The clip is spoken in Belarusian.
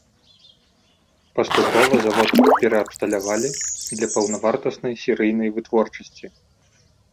Паступова завод пераабсталявалі для паўнавартаснай серыйнай вытворчасці.